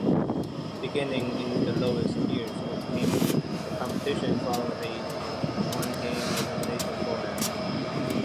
Beginning in the lowest tiers of teams, the competition followed a one-game elimination format.